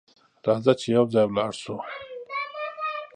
راځه چې یو ځای ولاړ سو!